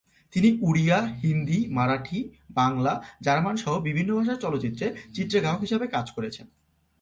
তিনি ওড়িয়া, হিন্দি, মারাঠি, বাংলা, জার্মান সহ বিভিন্ন ভাষার চলচ্চিত্রে চিত্রগ্রাহক হিসেবে কাজ করেছেন।